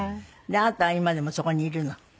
あなたは今でもそこにいるの？